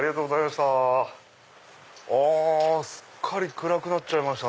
すっかり暗くなっちゃいました。